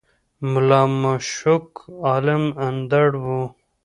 ملا مُشک عالَم اندړ وو